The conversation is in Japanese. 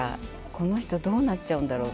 この人どうなっちゃうんだろう。